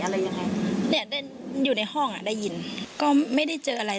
อะไรยังไงเนี่ยอยู่ในห้องอ่ะได้ยินก็ไม่ได้เจออะไร